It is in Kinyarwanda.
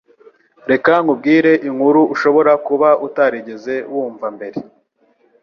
Reka nkubwire inkuru ushobora kuba utarigeze wumva mbere